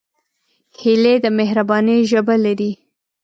هیلۍ د مهربانۍ ژبه لري